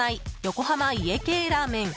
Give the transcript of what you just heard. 横浜家系ラーメン